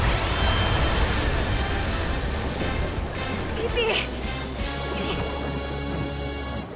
ピピ！